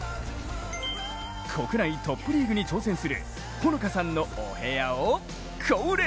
国内トップリーグに挑戦するほのかさんのお部屋を恒例！